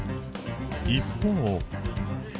一方。